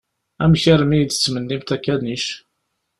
Amek armi i d-tettmennimt akanic?